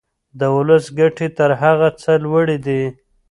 د ولس ګټې تر هر څه لوړې دي.